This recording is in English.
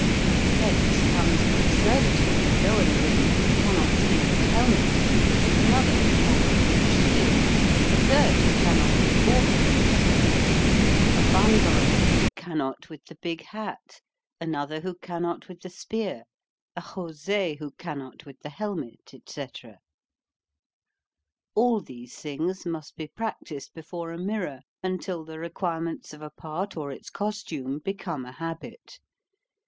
Hence comes the ab surdity of a Lohengrin who cannot sing with a helmet, another who cannot with a shield, a third who cannot with gauntlets; a Wan derer who cannot with the big hat, another who cannot with the spear, a Jose who can not with the helmet, etc. All these things must be practised before a mirror until the requirements of a part or its costume become a habit.